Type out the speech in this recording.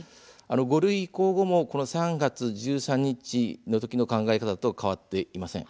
５類移行後も３月１３日の考え方と変わっていません。